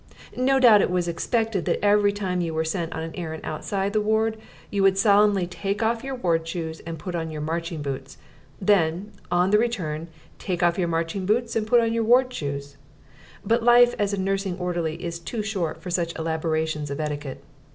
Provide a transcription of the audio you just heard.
No doubt it was expected that every time you were sent on an errand outside the ward you would solemnly take off your ward shoes and put on your marching boots then, on the return, take off your marching boots and put on your ward shoes but life as a nursing orderly is too short for such elaborations of etiquette.